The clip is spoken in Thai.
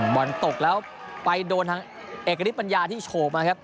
บอลตกแล้วไปโดนทางเอกณิตปัญญาที่โฉบมาครับ